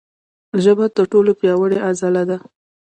ژبه تر ټولو پیاوړې عضله ده.